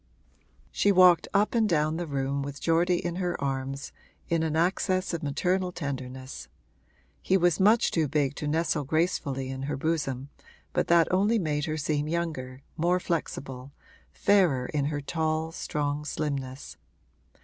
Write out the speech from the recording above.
She walked up and down the room with Geordie in her arms, in an access of maternal tenderness; he was much too big to nestle gracefully in her bosom, but that only made her seem younger, more flexible, fairer in her tall, strong slimness.